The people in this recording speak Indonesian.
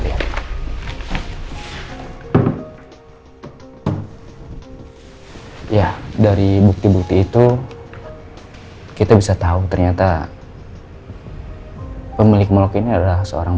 lihat ya dari bukti bukti itu kita bisa tahu ternyata pemilik molok ini adalah seorang